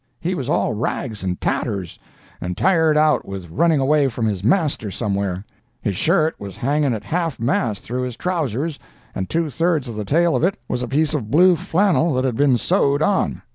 He was all rags and tatters, and tired out with running away from his master somewhere. His shirt was hanging at half mast through his trowsers, and two thirds of the tail of it was a piece of blue flannel that had been sewed on.